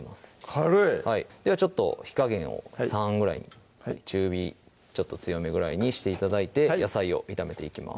軽いはいでは火加減を３ぐらいに中火ちょっと強めぐらいにして頂いて野菜を炒めていきます